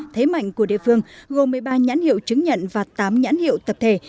thế mạnh của địa phương gồm một mươi ba nhãn hiệu chứng nhận và tám nhãn hiệu tập thể